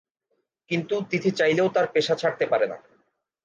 কিন্তু তিথি চাইলেও তার পেশা ছাড়তে পারে না।